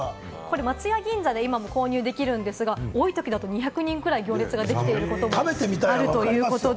松屋銀座で購入できるんですが、多いときだと、２００人ぐらい行列ができてることもある。